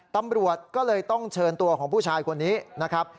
ตำรวจก็เลยต้องเชิญตัวของผู้ชายคนนี้นะครับ